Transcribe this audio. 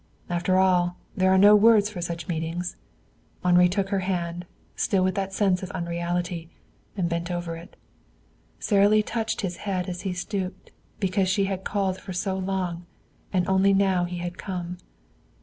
After all, there are no words for such meetings. Henri took her hand, still with that sense of unreality, and bent over it. And Sara Lee touched his head as he stooped, because she had called for so long, and only now he had come.